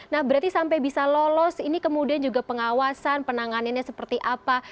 nah berarti sampai bisa lolos ini kemudian juga pengawasan penanganannya seperti apa